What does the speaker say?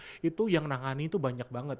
nah itu yang nangani itu banyak banget